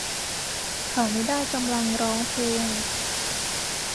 เขาไม่ได้กำลังร้องเพลง